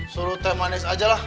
suruh teh manis aja lah